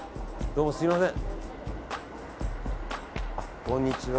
どうもすみません。